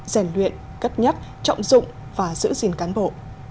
rèn luyện cất nhắc trọng dụng và giữ gìn cán bộ